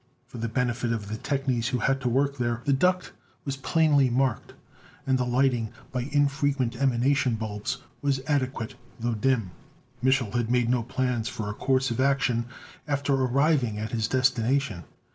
For the benefit of the technies who had to work there, the duct was plainly marked; and the lighting, by infrequent emanation bulbs, was adequate, though dim. Mich'l had made no plans for a course of action after arriving at his destination.